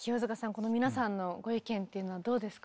この皆さんのご意見っていうのはどうですか？